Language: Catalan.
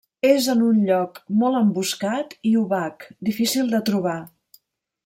És en un lloc molt emboscat i obac, difícil de trobar.